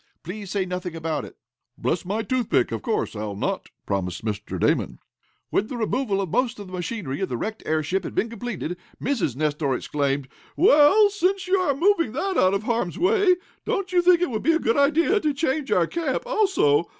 Please say nothing about it." "Bless my toothpick! Of course, I'll not," promised Mr. Damon. When the removal of most of the machinery of the wrecked airship had been completed, Mrs. Nestor exclaimed: "Well, since you are moving that out of harm's way, don't you think it would be a good idea to change our camp, also?